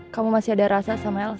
kamu masih ada rasa sama elsa